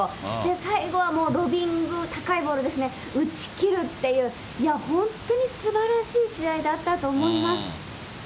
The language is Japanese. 最後はもうロビング、高いボール、打ち切るっていう、いや、本当にすばらしい試合だったと思います。